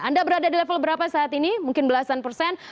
anda berada di level berapa saat ini mungkin belasan persen